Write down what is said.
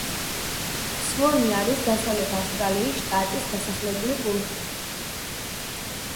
სვონი არის დასავლეთ ავსტრალიის შტატის დასახლებული პუნქტი.